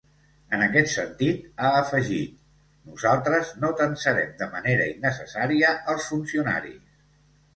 En aquest sentit, ha afegit: ‘Nosaltres no tensarem de manera innecessària els funcionaris’.